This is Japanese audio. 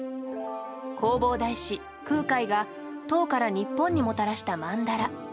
弘法大師・空海が唐から日本にもたらしたマンダラ。